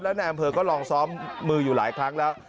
และนายอำเภอก็ลองซ้อมมืออยู่หลายครั้งแล้ว